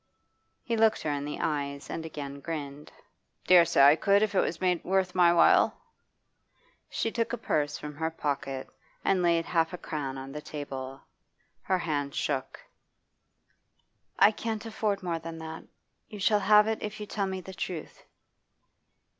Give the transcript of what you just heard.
He looked her in the eyes and again grinned. 'Dare say I could if it was made worth my while.' She took a purse from her pocket and laid half a crown on the table. Her hand shook. 'I can't afford more than that. You shall have it if you tell me the truth.